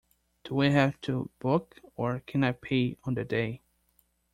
Do I have to book, or can I pay on the day?